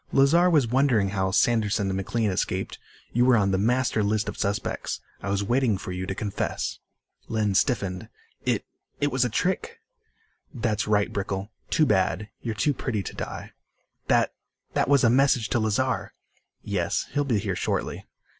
"Lazar was wondering how Sanderson and McLean escaped. You were on the master list of suspects. I was waiting for you to confess." Lynn stiffened. "It it was a trick." "That's right, Brickel. Too bad. You're too pretty to die." "That that was a message to Lazar." "Yes. He'll be here shortly."